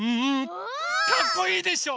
かっこいいでしょ？